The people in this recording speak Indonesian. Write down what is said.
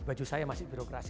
baju saya masih birokrasi